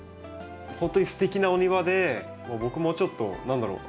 ほんとにすてきなお庭で僕もちょっと何だろう